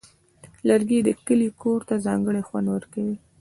لرګی د کلي کور ته ځانګړی خوند ورکوي.